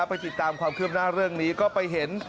ไปติดตามความคืบหน้าเรื่องนี้ก็ไปเห็น